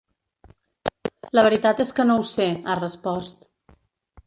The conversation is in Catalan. La veritat és que no ho sé, ha respost.